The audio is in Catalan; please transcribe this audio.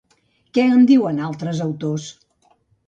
Què en diuen altres autors?